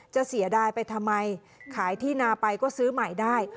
เสียดายไปทำไมขายที่นาไปก็ซื้อใหม่ได้